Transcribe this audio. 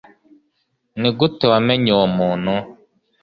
nigute wamenye uwo muntu